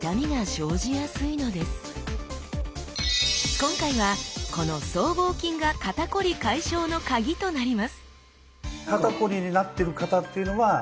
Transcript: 今回はこの僧帽筋が肩こり解消の鍵となります